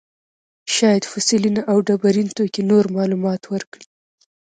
شاید فسیلونه او ډبرین توکي نور معلومات ورکړي.